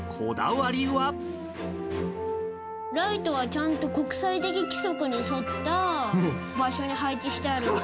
ライトはちゃんと、国際的規則に沿った場所に配置してあるので。